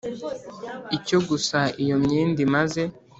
icyo gusa Iyo imyenda imaze